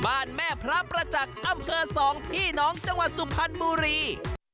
แม่พระประจักษ์อำเภอสองพี่น้องจังหวัดสุพรรณบุรี